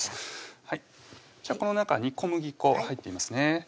じゃあこの中に小麦粉入っていますね